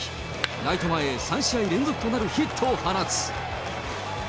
ライト前へ３試合連続となるヒットを放つ。